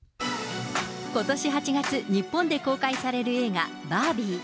ことし８月、日本で公開される映画、バービー。